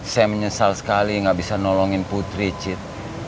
saya menyesal sekali gak bisa nolongin putri cit